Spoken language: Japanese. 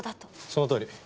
そのとおり。